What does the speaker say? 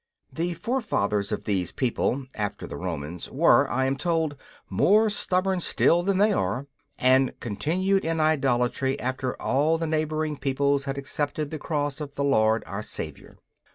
The forefathers of these people (after the Romans) were, I am told, more stubborn still than they are, and continued in idolatry after all the neighbouring peoples had accepted the cross of the Lord our Saviour.